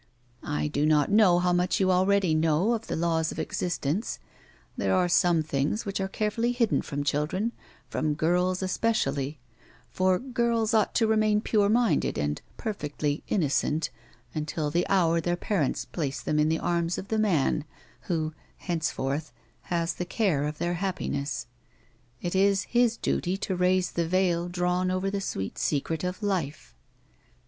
I do not know how much you already know of tlie laws of existence ; there are some things which are carefully hidden from children, from 56 A WOMAN'S LIFE. girls especially, for girls ought to remain pure minded and perfectly innocent until the hour their parents place them in the arms of the man who, henceforth, has the care of their happiness ; it is his duty to raise the veil drawn over the sweet secret of life.